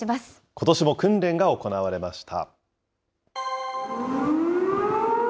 ことしも訓練が行われました。